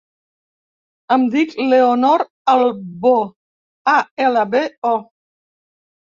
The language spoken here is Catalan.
Em dic Leonor Albo: a, ela, be, o.